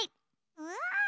うわ！